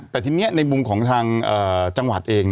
แต่ทีนี้ในมุมของทางจังหวัดเอง